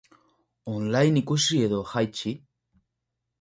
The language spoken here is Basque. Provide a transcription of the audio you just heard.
On-line ikusi edo jaitsi?